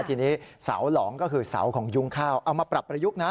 ทีนี้เสาหลองก็คือเสาของยุ้งข้าวเอามาปรับประยุกต์นะ